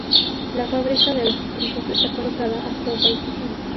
La fábrica de los estribos, está colocada a "soga y tizón".